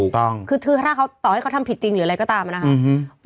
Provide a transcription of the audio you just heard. ถ้าเขาต่อให้เขาทำผิดจริงหรืออะไรก็ตามนะครับ